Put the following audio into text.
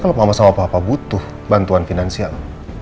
kalau mama sama papa butuh bantuan finansial